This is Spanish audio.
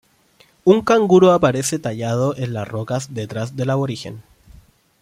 Un canguro aparece tallado en las rocas detrás del aborigen.